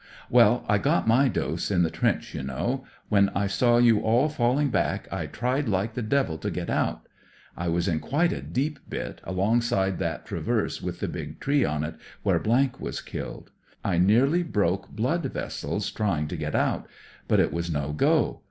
Well, I got my dose in the trench, you know. When I saw you all falling back I tried like the devil to get out. I was in quite a deep bit, alongside 82 THE DEVIL'S WOOD that traverse with the big tree on it, where was killed. I nearly broke blood vessels trying to get out; but it was no go.